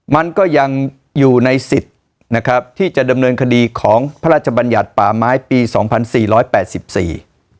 มันก็ยังอยู่ในสิทธิ์นะครับที่จะดำเนินคดีของพระราชบัญญัติป่าไม้ปีสองพันสี่ร้อยแปดสิบสี่